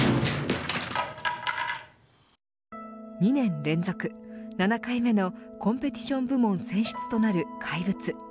２年連続７回目のコンペティション部門選出となる怪物。